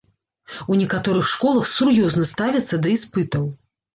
У некаторых школах сур'ёзна ставяцца да іспытаў.